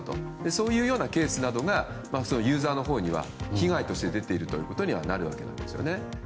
そういうようなケースなどがユーザーのほうには被害として出ているということにはなるわけですね。